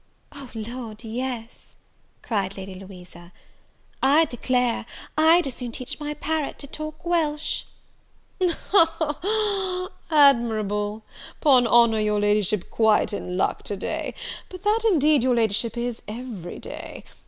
"O Lard, yes," cried Lady Louisa; "I declare I'd as soon teach my parrot to talk Welsh." "Ha! ha! ha! Admirable; 'Pon honour, your La'ship's quite in luck to day; but that, indeed, your La'ship is every day.